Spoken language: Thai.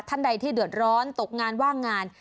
ท่านใดที่เดือดร้อนตกงานว่างงาน